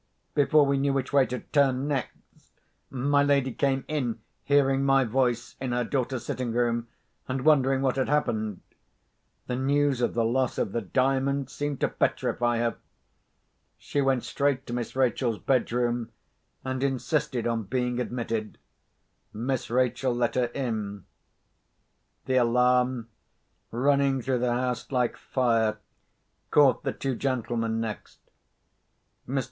Before we knew which way to turn next, my lady came in, hearing my voice in her daughter's sitting room, and wondering what had happened. The news of the loss of the Diamond seemed to petrify her. She went straight to Miss Rachel's bedroom, and insisted on being admitted. Miss Rachel let her in. The alarm, running through the house like fire, caught the two gentlemen next. Mr.